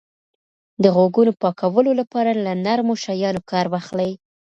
د غوږونو پاکولو لپاره له نرمو شیانو کار واخلئ.